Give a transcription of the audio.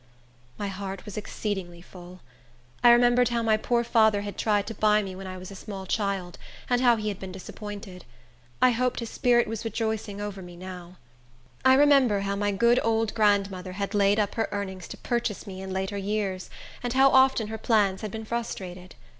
My heart was exceedingly full. I remembered how my poor father had tried to buy me, when I was a small child, and how he had been disappointed. I hoped his spirit was rejoicing over me now. I remembered how my good old grandmother had laid up her earnings to purchase me in later years, and how often her plans had been frustrated.